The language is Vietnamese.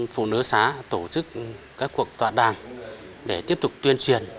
phụ nữ xã tổ chức các cuộc toàn đàn để tiếp tục tuyên truyền